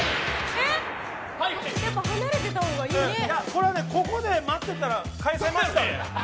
これはね、ここで待ってたら返せましたね。